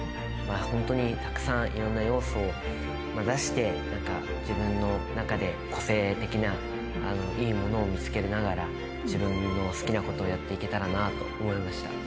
本当に、たくさんいろんな要素を出して、自分の中で個性的な、いいものを見つけながら、自分の好きなことをやっていけたらなと思いました。